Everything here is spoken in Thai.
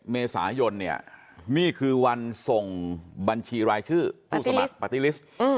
เมษายนเนี่ยนี่คือวันส่งบัญชีรายชื่อผู้สมัครปาร์ตี้ลิสต์